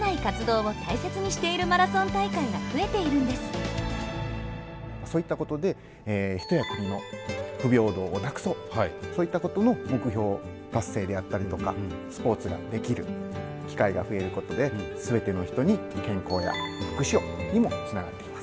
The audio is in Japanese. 知らなかった今ではそういったことでそういったことの目標達成であったりとかスポーツができる機会が増えることで「すべての人に健康や福祉を」にもつながってきます。